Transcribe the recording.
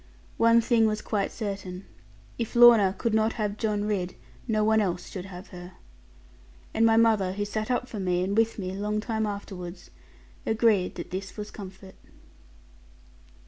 One thing was quite certain if Lorna could not have John Ridd, no one else should have her. And my mother, who sat up for me, and with me long time afterwards, agreed that this was comfort.